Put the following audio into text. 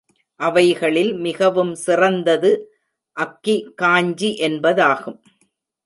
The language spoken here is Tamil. அவைகளில் மிகவும் சிறந்தது அக்கி காஞ்சி என்பதாகும்.